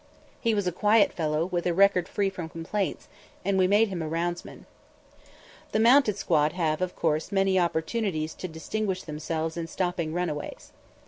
He was a quiet fellow, with a record free from complaints, and we made him roundsman. The mounted squad have, of course, many opportunities to distinguish themselves in stopping runaways.